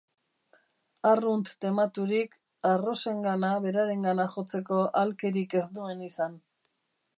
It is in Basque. Arrunt tematurik, Arrosengana berarengana jotzeko ahalkerik ez nuen izan.